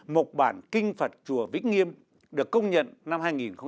mộc bản kinh phật chùa vĩnh nghiêm được công nhận năm hai nghìn một mươi